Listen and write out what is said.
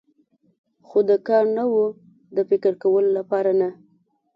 خو د کار نه و، د فکر کولو لپاره نه.